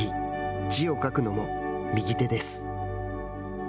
字を書くのも、右手です。